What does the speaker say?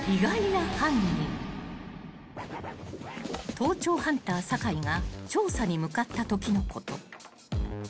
［盗聴ハンター酒井が調査に向かったときのこと］